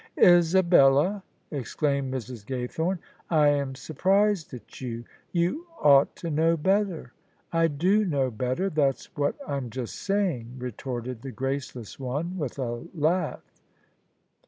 " Isabella," exclaimed Mrs. Gaythome, " I am surprised at you I You ought to know better! " "I do know better: that's what Fm just saying," re torted the graceless one, with a laugh.